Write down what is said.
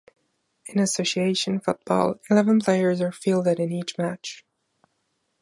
In association football, eleven players are fielded in each match.